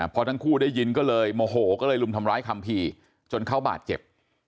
พอทั้งคู่ได้ยินก็เลยโมโหก็เลยลุมทำร้ายคัมภีร์จนเขาบาดเจ็บ